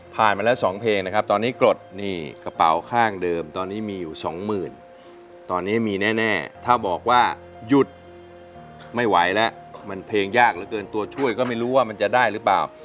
มาแล้ว๒เพลงนะครับตอนนี้กรดนี่กระเป๋าข้างเดิมตอนนี้มีอยู่สองหมื่นตอนนี้มีแน่ถ้าบอกว่าหยุดไม่ไหวแล้วมันเพลงยากเหลือเกินตัวช่วยก็ไม่รู้ว่ามันจะได้หรือเปล่า